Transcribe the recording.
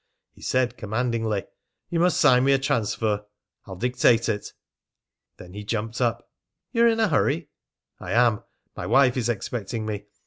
He said commandingly: "You must sign me a transfer. I'll dictate it." Then he jumped up. "You're in a hurry?" "I am. My wife is expecting me.